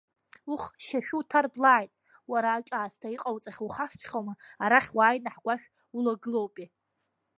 Ух, шьашәы уҭарблааит, уара аҿаасҭа, иҟоуҵахьо ухашҭхьоума, арахь уааины ҳгәашә улагылоупеи!